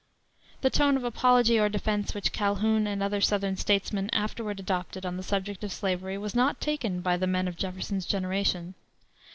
The tone of apology or defense which Calhoun and other southern statesmen afterward adopted on the subject of slavery was not taken by the men of Jefferson's generation.